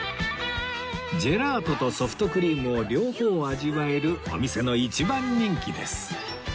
ジェラートとソフトクリームを両方味わえるお店の一番人気です